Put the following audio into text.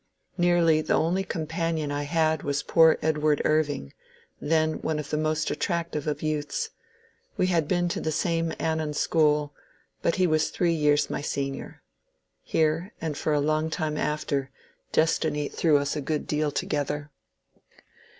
Nearly the only companion I had was poor Edward Irving, then one of the most attractive of youths ; we had been to the same Annan school, but he was three years my senior. Here, and for a long time after, destiny threw us a good deal together.